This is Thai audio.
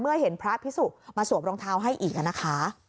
เมื่อเห็นพระพิสุมาสวบรองเท้าให้อีก